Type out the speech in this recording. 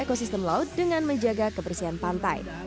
ekosistem laut dengan menjaga kebersihan pantai